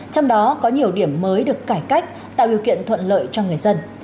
trong đó có nhiều điểm mới được cải cách tạo điều kiện thuận lợi cho người dân